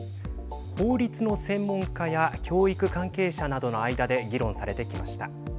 法律の専門家や教育関係者などの間で議論されてきました。